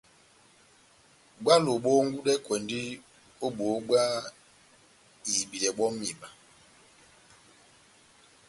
Bwálo bόhongwidɛkwɛndi ó bohó bwá ihibidɛ bɔ́ ó mihiba